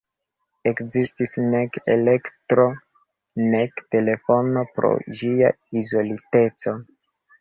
Ekzistis nek elektro nek telefono pro ĝia izoliteco.